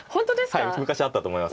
はい昔あったと思います。